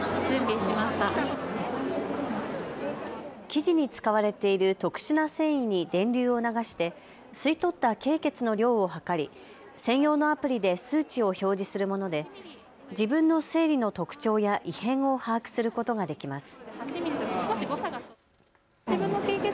生地に使われている特殊な繊維に電流を流して吸い取った経血の量を測り、専用のアプリで数値を表示するもので自分の生理の特徴や異変を把握することができます。